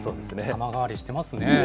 様変わりしてますね。